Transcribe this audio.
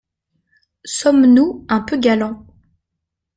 Sommes-nous un peu galant ?